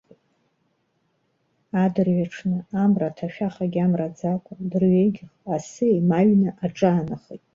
Адырҩаҽны, амра аҭашәахагьы амраӡакәа, дырҩегьх, асы еимаҩны аҿаанахеит.